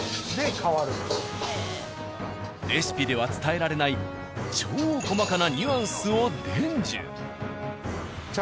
レシピでは伝えられない超細かなニュアンスを伝授。